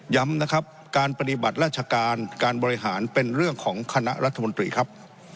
ย้ำนะครับการปฏิบัติราชการการบริหารเป็นเรื่องของคณะรัฐมนตรีครับ